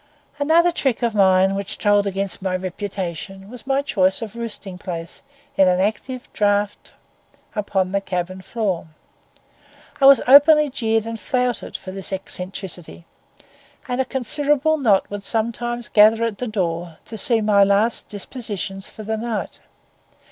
Another trick of mine which told against my reputation was my choice of roosting place in an active draught upon the cabin floor. I was openly jeered and flouted for this eccentricity; and a considerable knot would sometimes gather at the door to see my last dispositions for the night.